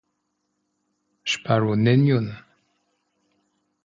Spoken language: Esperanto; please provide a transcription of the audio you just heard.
Ŝparu neniun!